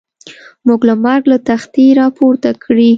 موږ له مرګ له تختې را پورته کړي.